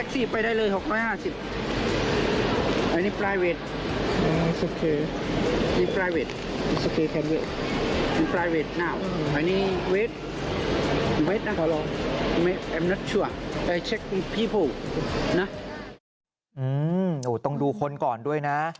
ต้องดูคนก่อนด้วยนะ